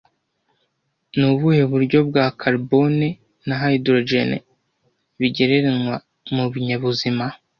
Ni ubuhe buryo bwa Carbone na hydrogene bigereranywa mu binyabuzima